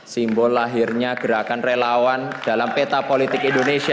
simbol lahirnya gerakan relawan dalam peta politik indonesia